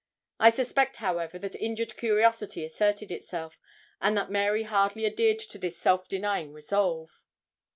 I suspect, however, that injured curiosity asserted itself, and that Mary hardly adhered to this self denying resolve.